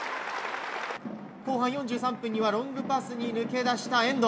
後半４３分にはロングパスに抜け出した遠藤。